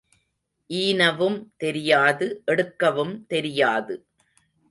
ஈனவும் தெரியாது எடுக்கவும் தெரியாது.